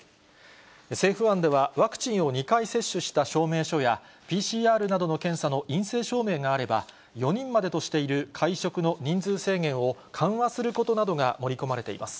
政府案では、ワクチンを２回接種した証明書や、ＰＣＲなどの検査の陰性証明があれば、４人までとしている会食の人数制限を緩和することなどが盛り込まれています。